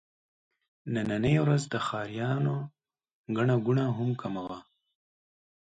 نننۍ ورځ د ښاريانو ګڼه ګوڼه هم کمه وه.